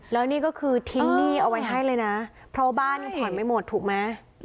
แล้วนี่ก็คือทิ้งหนี้เอาไว้ให้เลยนะเพราะบ้านผ่อนไม่หมดถูกไหม